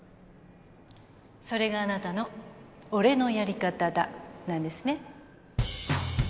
それがあなたの「俺のやり方だ」なんですね？